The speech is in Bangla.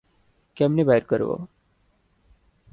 কেমনে বাইর করবো?